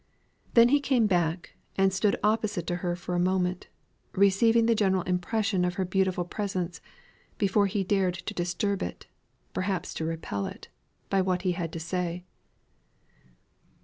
Then he came back, and stood opposite to her for a moment, receiving the general impression of her beautiful presence, before he dared to disturb it, perhaps to repel it, by what he had to say.